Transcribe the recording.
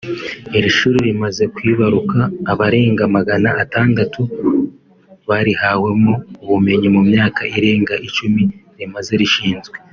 Iri shuri rimaze kwibaruka abarenga magana atandatu barihawemo ubumenyi mu myaka irenga icumi rimaze rishinzwe